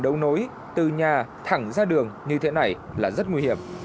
nhưng đường đấu nối từ nhà thẳng ra đường như thế này là rất nguy hiểm